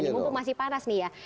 mumpung masih panas nih ya